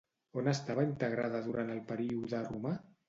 On estava integrada durant el període romà?